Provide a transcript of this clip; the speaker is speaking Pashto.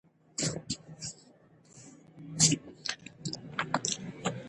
قومونه په دروغجنو کيسو وياړ کوي.